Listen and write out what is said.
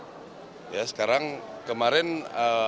sekarang kemarin atlet kita bisa enak banget ya karena covid ini